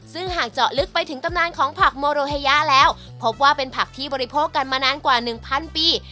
ซึ่งหากเจาะลึกไปถึงตำนานของผักโมโรเฮยะแล้วพบว่าเป็นผักที่บริโภคกันมานานกว่าหนึ่งพันปี